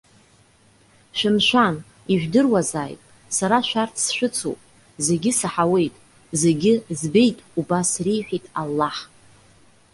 Шәымшәан, ижәдыруазааит, сара шәарҭ сшәыцуп, зегьы саҳауеит, зегьы збеит убас реиҳәеит Аллаҳ.